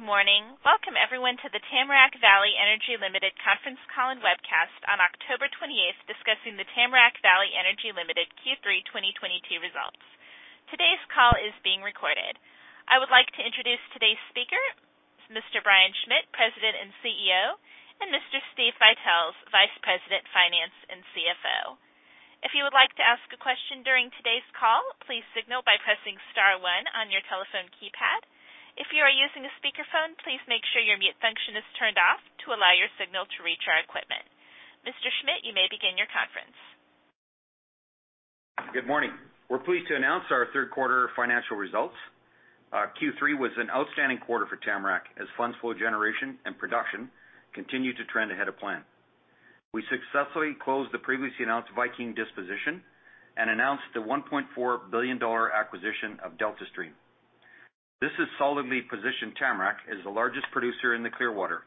Good morning. Welcome everyone to the Tamarack Valley Energy Ltd conference call and webcast on October 28th, discussing the Tamarack Valley Energy Ltd Q3 2022 results. Today's call is being recorded. I would like to introduce today's speaker, Mr. Brian Schmidt, President and CEO, and Mr. Steve Buytels, Vice President, Finance and CFO. If you would like to ask a question during today's call, please signal by pressing star one on your telephone keypad. If you are using a speakerphone, please make sure your mute function is turned off to allow your signal to reach our equipment. Mr. Schmidt, you may begin your conference. Good morning. We're pleased to announce our third quarter financial results. Q3 was an outstanding quarter for Tamarack as funds flow generation and production continued to trend ahead of plan. We successfully closed the previously announced Viking disposition and announced the 1.4 billion dollar acquisition of Deltastream. This has solidly positioned Tamarack as the largest producer in the Clearwater,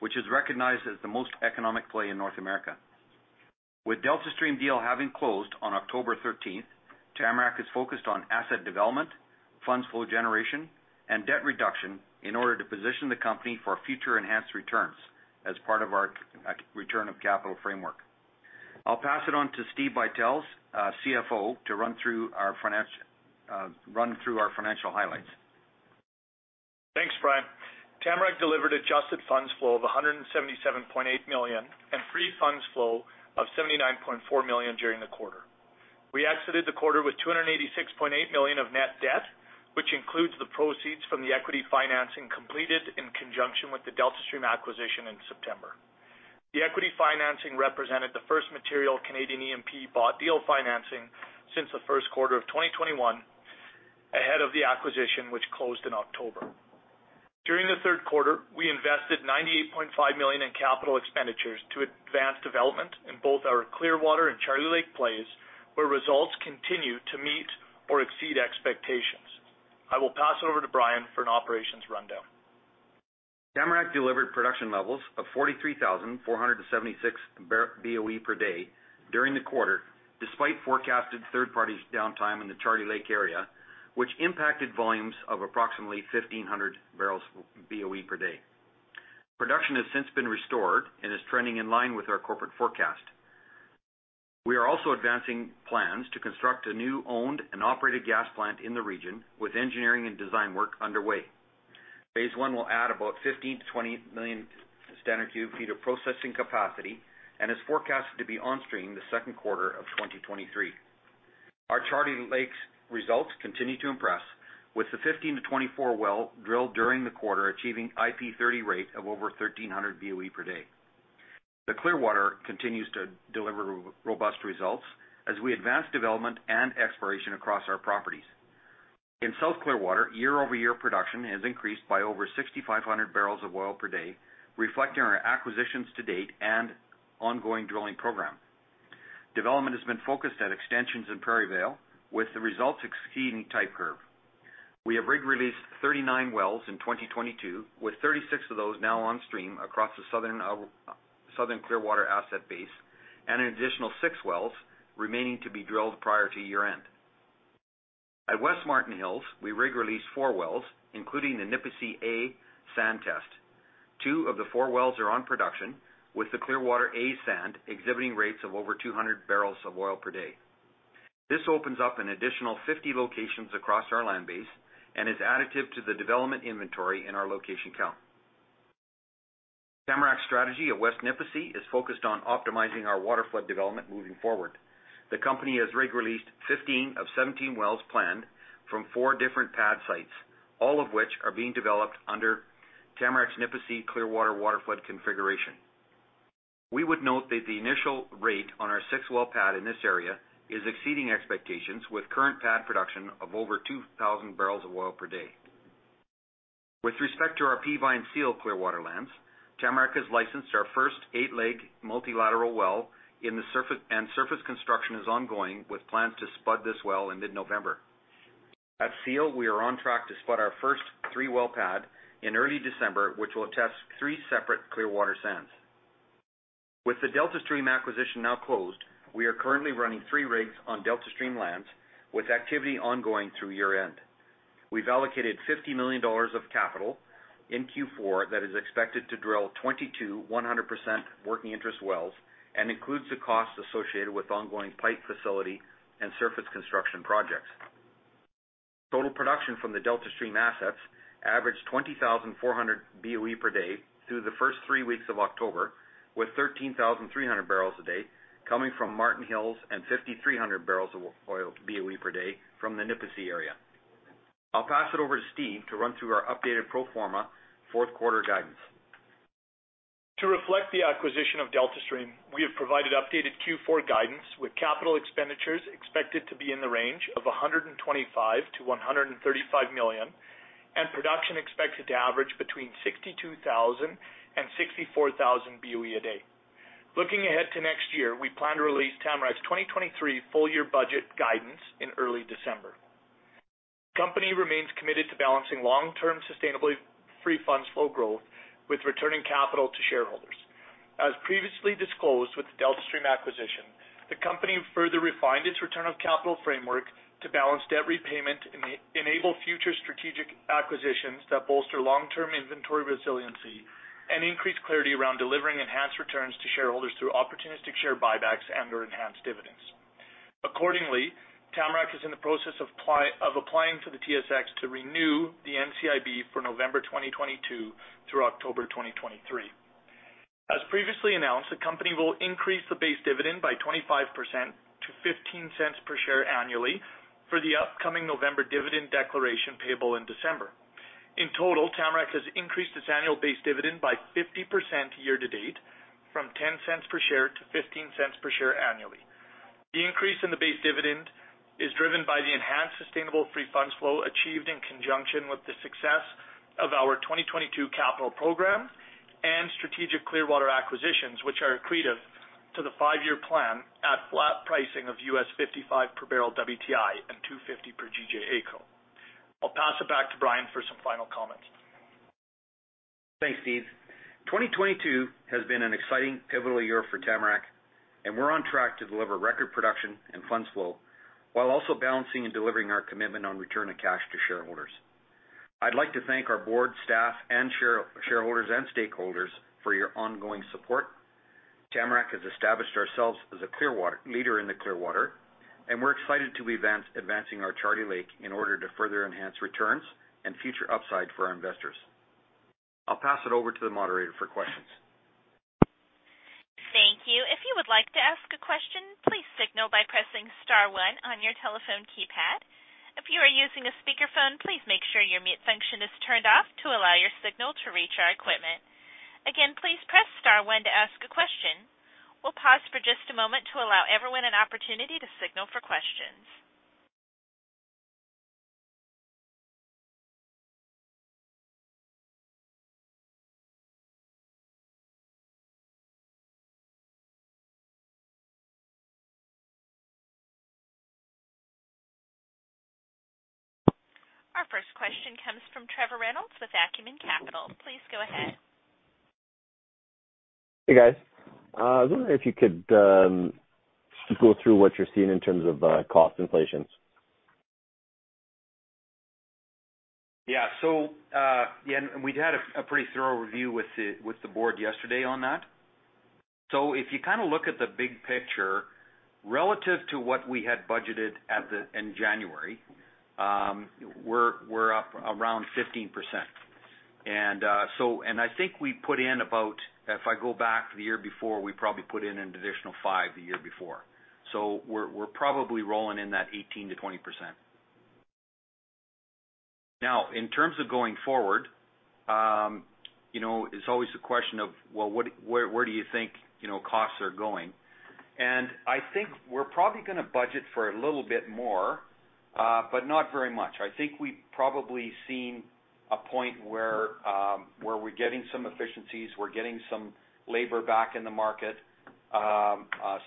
which is recognized as the most economic play in North America. With Deltastream deal having closed on October 13th, Tamarack is focused on asset development, funds flow generation, and debt reduction in order to position the company for future enhanced returns as part of our return of capital framework. I'll pass it on to Steve Buytels, CFO, to run through our financial highlights. Thanks, Brian. Tamarack delivered adjusted funds flow of 177.8 million and free funds flow of 79.4 million during the quarter. We exited the quarter with 286.8 million of net debt, which includes the proceeds from the equity financing completed in conjunction with the Deltastream acquisition in September. The equity financing represented the first material Canadian E&P bought deal financing since the first quarter of 2021, ahead of the acquisition which closed in October. During the third quarter, we invested 98.5 million in capital expenditures to advance development in both our Clearwater and Charlie Lake plays, where results continue to meet or exceed expectations. I will pass it over to Brian for an operations rundown. Tamarack delivered production levels of 43,476 BOE per day during the quarter, despite forecasted third-party downtime in the Charlie Lake area, which impacted volumes of approximately 1,500 bbl BOE per day. Production has since been restored and is trending in line with our corporate forecast. We are also advancing plans to construct a new owned and operated gas plant in the region with engineering and design work underway. Phase 1 will add about 15 million-20 million standard cu ft of processing capacity and is forecasted to be on stream the second quarter of 2023. Our Charlie Lake's results continue to impress with the 15-24 wells drilled during the quarter, achieving IP30 rate of over 1,300 BOE per day. The Clearwater continues to deliver robust results as we advance development and exploration across our properties. In South Clearwater, year-over-year production has increased by over 6,500 bbl of oil per day, reflecting our acquisitions to date and ongoing drilling program. Development has been focused at extensions in Prairie Vale, with the results exceeding type curve. We have rig released 39 wells in 2022, with 36 of those now on stream across the southern Alberta, Southern Clearwater asset base and an additional six wells remaining to be drilled prior to year-end. At West Marten Hills, we rig released four wells, including the Nipisi A sand test. Two of the four wells are on production, with the Clearwater A sand exhibiting rates of over 200 bbl of oil per day. This opens up an additional 50 locations across our land base and is additive to the development inventory in our location count. Tamarack's strategy at West Nipisi is focused on optimizing our waterflood development moving forward. The company has rig released 15 of 17 wells planned from four different pad sites, all of which are being developed under Tamarack's Nipisi Clearwater waterflood configuration. We would note that the initial rate on our six-well pad in this area is exceeding expectations with current pad production of over 2,000 bbl of oil per day. With respect to our Peavine-Seal Clearwater lands, Tamarack has licensed our first eight-leg multilateral well. Surface construction is ongoing with plans to spud this well in mid-November. At Seal, we are on track to spud our first three-well pad in early December, which will test three separate Clearwater sands. With the Deltastream acquisition now closed, we are currently running three rigs on Deltastream lands with activity ongoing through year-end. We've allocated 50 million dollars of capital in Q4 that is expected to drill 22 100% working interest wells and includes the costs associated with ongoing pipe facility and surface construction projects. Total production from the Deltastream assets averaged 20,400 BOE per day through the first three weeks of October, with 13,300 bbl a day coming from Marten Hills and 5,300 bbl of oil BOE per day from the Nipisi area. I'll pass it over to Steve to run through our updated pro forma fourth quarter guidance. To reflect the acquisition of Deltastream, we have provided updated Q4 guidance with capital expenditures expected to be in the range of 125 million-135 million, and production expected to average between 62,000 and 64,000 BOE a day. Looking ahead to next year, we plan to release Tamarack's 2023 full year budget guidance in early December. The company remains committed to balancing long-term sustainable free funds flow growth with returning capital to shareholders. Previously disclosed with the Deltastream acquisition, the company further refined its return on capital framework to balance debt repayment, enable future strategic acquisitions that bolster long-term inventory resiliency and increase clarity around delivering enhanced returns to shareholders through opportunistic share buybacks and or enhanced dividends. Accordingly, Tamarack is in the process of applying to the TSX to renew the NCIB for November 2022 through October 2023. As previously announced, the company will increase the base dividend by 25% to 0.15 per share annually for the upcoming November dividend declaration payable in December. In total, Tamarack has increased its annual base dividend by 50% year to date from 0.10 per share to 0.15 per share annually. The increase in the base dividend is driven by the enhanced sustainable free funds flow achieved in conjunction with the success of our 2022 capital program and strategic Clearwater acquisitions, which are accretive to the five-year plan at flat pricing of $55 per bbl WTI and 2.50 per GJ AECO. I'll pass it back to Brian for some final comments. Thanks, Steve. 2022 has been an exciting pivotal year for Tamarack, and we're on track to deliver record production and funds flow while also balancing and delivering our commitment on return of cash to shareholders. I'd like to thank our board, staff, and shareholders and stakeholders for your ongoing support. Tamarack has established ourselves as a Clearwater leader in the Clearwater, and we're excited to be advancing our Charlie Lake in order to further enhance returns and future upside for our investors. I'll pass it over to the moderator for questions. Thank you. If you would like to ask a question, please signal by pressing star one on your telephone keypad. If you are using a speakerphone, please make sure your mute function is turned off to allow your signal to reach our equipment. Again, please press star one to ask a question. We'll pause for just a moment to allow everyone an opportunity to signal for questions. Our first question comes from Trevor Reynolds with Acumen Capital. Please go ahead. Hey, guys. I was wondering if you could go through what you're seeing in terms of cost inflation. Yeah, we'd had a pretty thorough review with the board yesterday on that. If you kinda look at the big picture, relative to what we had budgeted in January, we're up around 15%. I think we put in about. If I go back the year before, we probably put in an additional 5% the year before. We're probably rolling in that 18%-20%. Now, in terms of going forward, you know, it's always a question of, well, where do you think, you know, costs are going? I think we're probably gonna budget for a little bit more, but not very much. I think we've probably seen a point where we're getting some efficiencies. We're getting some labor back in the market.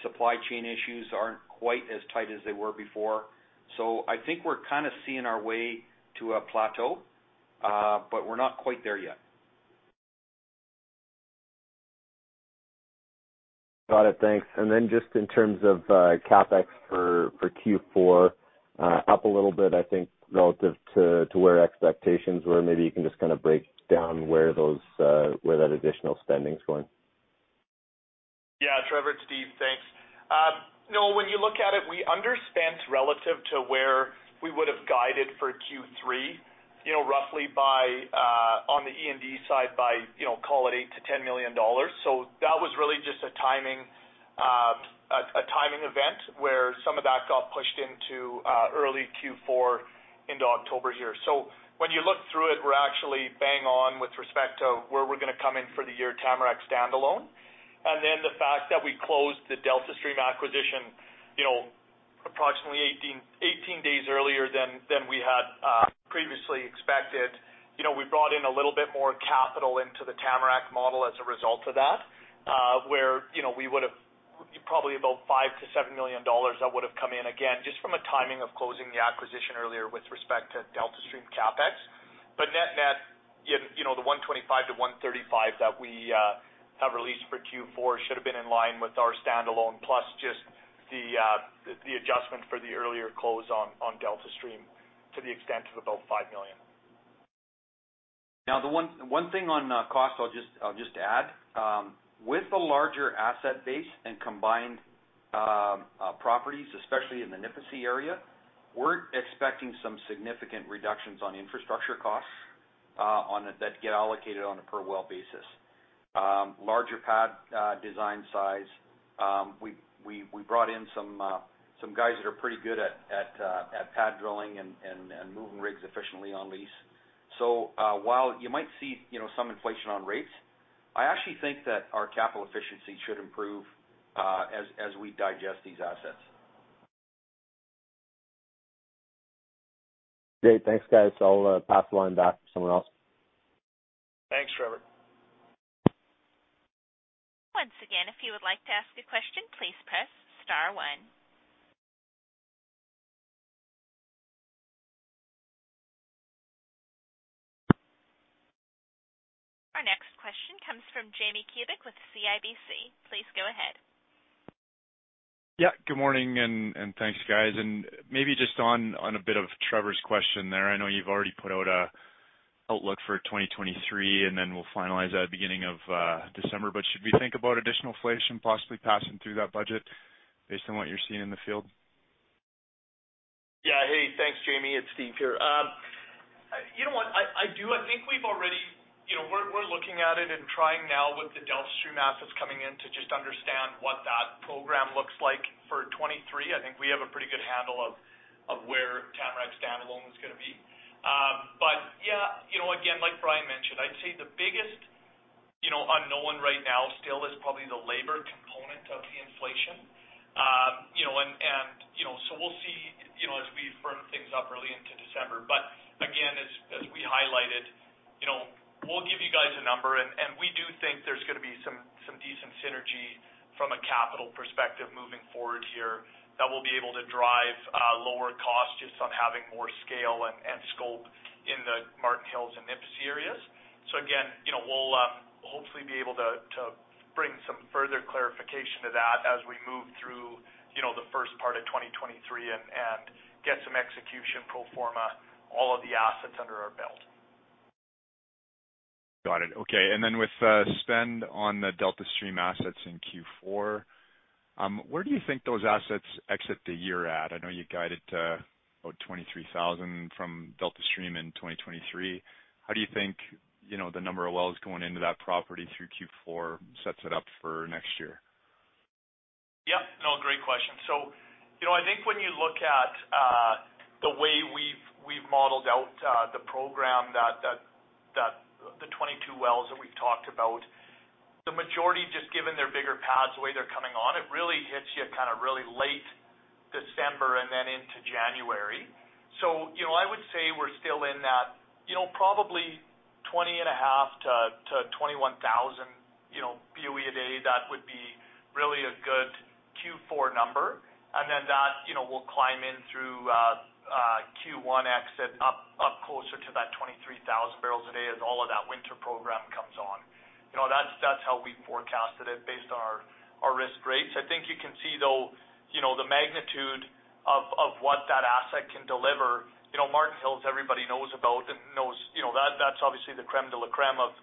Supply chain issues aren't quite as tight as they were before. I think we're kinda seeing our way to a plateau, but we're not quite there yet. Got it. Thanks. Just in terms of CapEx for Q4, up a little bit, I think, relative to where expectations were. Maybe you can just kinda break down where that additional spending's going. Yeah. Trevor, it's Steve Buytels. Thanks. You know, when you look at it, we underspent relative to where we would have guided for Q3, you know, roughly by, on the E&D side by, you know, call it 8 million- 10 million dollars. That was really just a timing event where some of that got pushed into early Q4 into October here. When you look through it, we're actually bang on with respect to where we're gonna come in for the year Tamarack standalone. Then the fact that we closed the Deltastream acquisition, you know, approximately 18 days earlier than we had previously expected, you know, we brought in a little bit more capital into the Tamarack model as a result of that, where, you know, we would have probably about 5 million-7 million dollars that would have come in, again, just from a timing of closing the acquisition earlier with respect to Deltastream CapEx. Net-net, you know, the 125 million-135 million that we have released for Q4 should have been in line with our standalone plus just the adjustment for the earlier close on Deltastream to the extent of about 5 million. Now the one thing on cost I'll just add with the larger asset base and combined properties, especially in the Nipisi area, we're expecting some significant reductions on infrastructure costs that get allocated on a per well basis. Larger pad design size. We brought in some guys that are pretty good at pad drilling and moving rigs efficiently on lease. While you might see, you know, some inflation on rates, I actually think that our capital efficiency should improve as we digest these assets. Great. Thanks, guys. I'll pass the line back to someone else. Thanks, Trevor. Once again, if you would like to ask a question, please press star one. Our next question comes from Jamie Kubik with CIBC. Please go ahead. Yeah, good morning and thanks, guys. Maybe just on a bit of Trevor's question there. I know you've already put out a outlook for 2023, and then we'll finalize that beginning of December. Should we think about additional inflation possibly passing through that budget based on what you're seeing in the field? Yeah. Hey, thanks, Jamie. It's Steve here. You know what? I do. You know, we're looking at it and trying now with the Deltastream assets coming in to just understand what that program looks like for 2023. I think we have a pretty good handle of where Tamarack standalone is gonna be. Yeah, you know, again, like Brian mentioned, I'd say the biggest unknown right now still is probably the labor component of the inflation. You know, we'll see as we firm things up early into December. Again, as we highlighted, you know, we'll give you guys a number, and we do think there's gonna be some decent synergy from a capital perspective moving forward here that we'll be able to drive lower costs just on having more scale and scope in the Marten Hills and Nipisi areas. Again, you know, we'll hopefully be able to bring some further clarification to that as we move through, you know, the first part of 2023 and get some execution pro forma, all of the assets under our belt. Got it. Okay. With spend on the Deltastream assets in Q4, where do you think those assets exit the year at? I know you guided to about 23,000 from Deltastream in 2023. How do you think, you know, the number of wells going into that property through Q4 sets it up for next year? Yeah. No, great question. You know, I think when you look at the way we've modeled out the program that the 22 wells that we've talked about, the majority just given their bigger pads, the way they're coming on, it really hits you kinda really late December and then into January. You know, I would say we're still in that, you know, probably 20,500-21,000 BOE a day. That would be really a good Q4 number. Then that, you know, will climb in through Q1 exit up closer to that 23,000 bbl a day as all of that winter program comes on. You know, that's how we forecasted it based on our risk rates. I think you can see, though, you know, the magnitude of what that asset can deliver. You know, Marten Hills, everybody knows about and knows, you know, that's obviously the crème de la crème of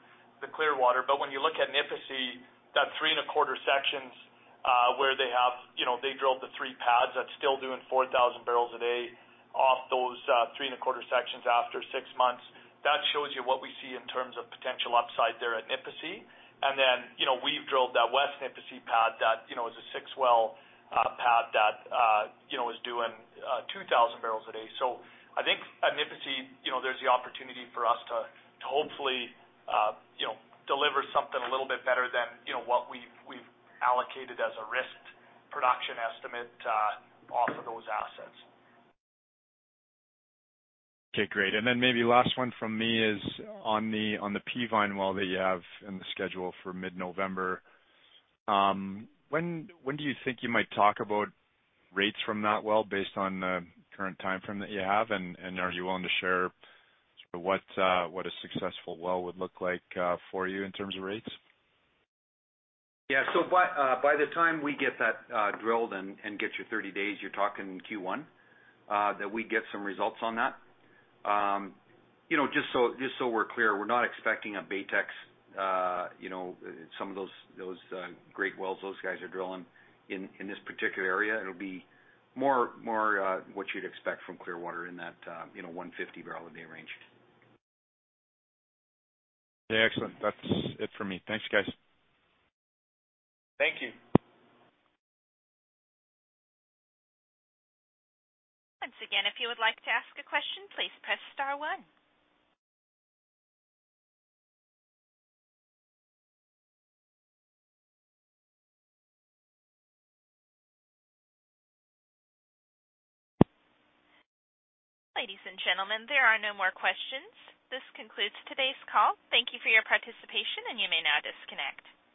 the Clearwater. When you look at Nipisi, that 3.25 sections, where they have, you know, they drilled the three pads, that's still doing 4,000 bbl a day off those 3.25 sections after six months. That shows you what we see in terms of potential upside there at Nipisi. You know, we've drilled that West Nipisi pad that, you know, is a six-well pad that, you know, is doing 2,000 bbl a day. I think at Nipisi, you know, there's the opportunity for us to hopefully, you know, deliver something a little bit better than, you know, what we've allocated as a risked production estimate off of those assets. Okay, great. Maybe last one from me is on the Peavine well that you have in the schedule for mid-November. When do you think you might talk about rates from that well based on the current timeframe that you have? Are you willing to share sort of what a successful well would look like for you in terms of rates? Yeah. By the time we get that drilled and get your 30 days, you're talking Q1 that we get some results on that. You know, just so we're clear, we're not expecting a Baytex, you know, some of those great wells those guys are drilling in this particular area. It'll be more what you'd expect from Clearwater in that, you know, 150 bbl a day range. Okay, excellent. That's it for me. Thanks, guys. Thank you. Once again, if you would like to ask a question, please press star one. Ladies and gentlemen, there are no more questions. This concludes today's call. Thank you for your participation, and you may now disconnect.